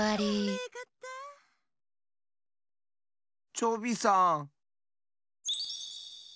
チョビさん。